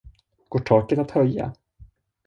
Går taket att höja?